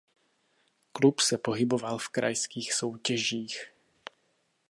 Klub se pohyboval v krajských soutěžích.